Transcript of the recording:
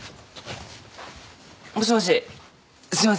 もしもしすいません